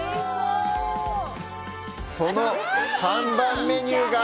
その看板メニューが？